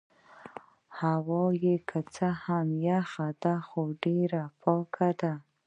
هوا يې که څه هم یخه ده خو ډېره پاکه ده.